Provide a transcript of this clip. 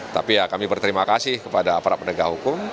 tapi ya kami berterima kasih kepada aparat penegak hukum